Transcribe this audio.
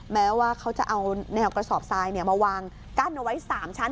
แม้ว่าเขาจะเอาแนวกระสอบทรายมาวางกั้นเอาไว้๓ชั้น